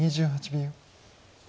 ２８秒。